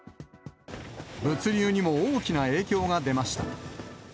物流にも大きな影響が出ました。